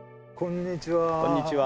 こんにちは。